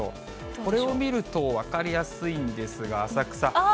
これを見ると分かりやすいんですが、浅草。